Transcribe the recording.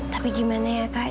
tapi bagaimana kak